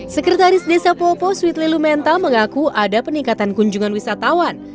sekretaris desa popo sweet lelu mental mengaku ada peningkatan kunjungan wisatawan